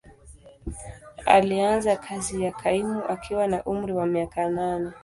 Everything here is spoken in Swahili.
Alianza kazi ya kaimu akiwa na umri wa miaka nane.